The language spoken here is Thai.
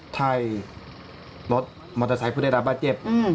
ถ่ายรถมอเตอร์ไซค์เพื่อได้รับบ้านเจ็บ